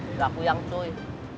udah aku yang cuy